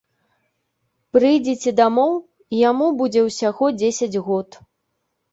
Прыйдзеце дамоў, і яму будзе ўсяго дзесяць год.